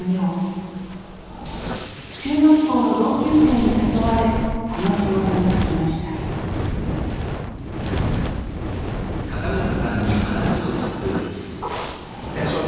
中学校の同級生に誘われこの仕事に就きました展勝地